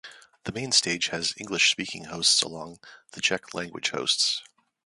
The main stage has English-speaking hosts alongside the Czech language hosts.